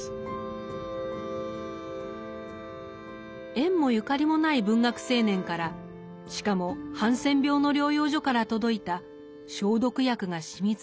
縁もゆかりもない文学青年からしかもハンセン病の療養所から届いた消毒薬が染みついた手紙。